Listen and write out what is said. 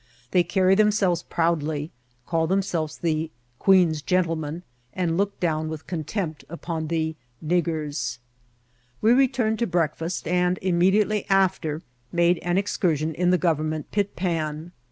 They carry themselves proudly, call themselves the " Queen's Gentlemen," and look down with contempt upon the " niggers." We returned to breakfast, and immediately after so INCIDENTS OF VBATBL. made an excursion in the gOTernment pit^pan.